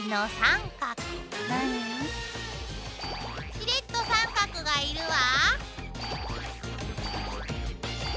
しれっと三角がいるわ。